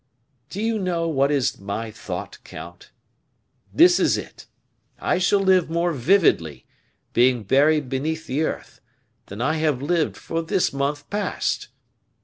"Do you know what is my thought, count? This is it I shall live more vividly, being buried beneath the earth, than I have lived for this month past.